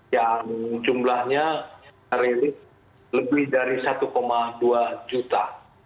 yang jumlahnya relatif lebih dari satu dua juta